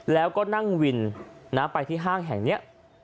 แล้วก็นั่งวินไปที่ห้างแห่งนี้